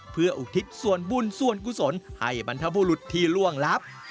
เพื่ออุทิศส่วนบุญส่วนกุศลให้บรรพบุรุษที่ล่วงลับ